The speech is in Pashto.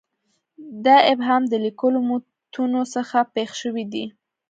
دا ابهام د لیکلو متونو څخه پېښ شوی دی.